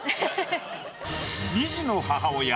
二児の母親